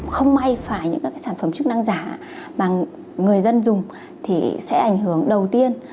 không may phải những các sản phẩm chức năng giả mà người dân dùng thì sẽ ảnh hưởng đầu tiên